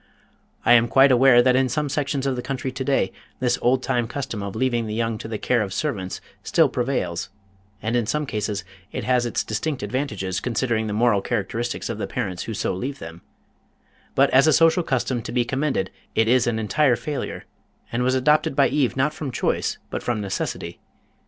I am quite aware that in some sections of the country to day this oldtime custom of leaving the young to the care of servants still prevails, and in some cases it has its distinct advantages considering the moral characteristics of the parents who so leave them, but as a social custom to be commended it is an entire failure, and was adopted by Eve not from choice, but from necessity.